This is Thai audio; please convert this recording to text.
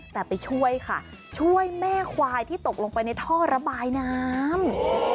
แต่ไปช่วยค่ะช่วยแม่ควายที่ตกลงไปในท่อระบายน้ำ